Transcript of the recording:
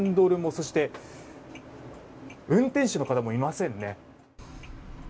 そして運転手の方もいませんね。